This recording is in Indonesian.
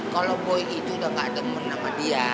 kalau boy itu udah gak ada menang sama dia